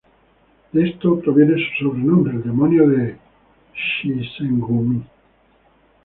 De esto proviene su sobrenombre, "El demonio del Shinsengumi".